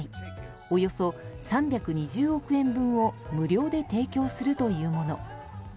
およそ３２０億円分を無料で提供するというもの。